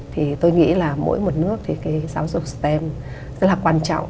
thì tôi nghĩ là mỗi một nước thì cái giáo dục stem rất là quan trọng